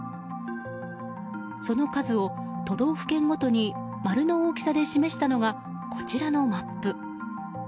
その数を都道府県ごとに丸の大きさで示したのがこちらのマップ。